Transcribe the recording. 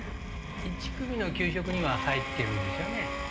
１組の給食には入ってるんですよね？